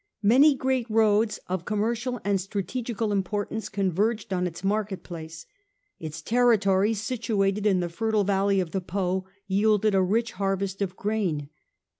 Many great roads, of commercial and strategical importance, converged on to its market place. Its territories, situated in the fertile valley of the Po, yielded a rich harvest of grain.